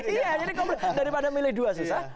iya jadi kompleks daripada milih dua susah